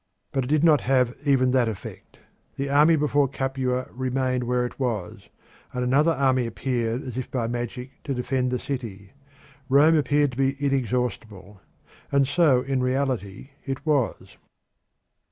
But it did not have even that effect. The army before Capua remained where it was, and another army appeared as if by magic to defend the city. Rome appeared to be inexhaustible, and so in reality it was.